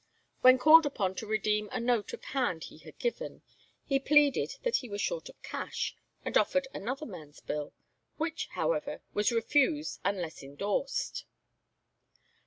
When called upon to redeem a note of hand he had given, he pleaded that he was short of cash, and offered another man's bill, which, however, was refused unless endorsed.